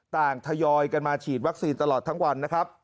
ทยอยกันมาฉีดวัคซีนตลอดทั้งวันนะครับ